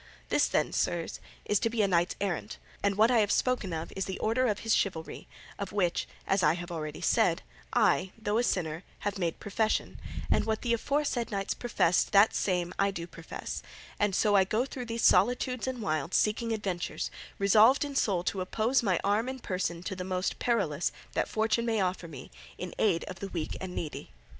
This, then, sirs, is to be a knight errant, and what I have spoken of is the order of his chivalry, of which, as I have already said, I, though a sinner, have made profession, and what the aforesaid knights professed that same do I profess, and so I go through these solitudes and wilds seeking adventures, resolved in soul to oppose my arm and person to the most perilous that fortune may offer me in aid of the weak and needy."